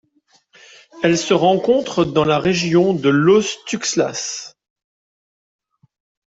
Elle se rencontre dans la région de Los Tuxtlas.